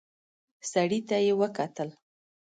سړي ته يې وکتل.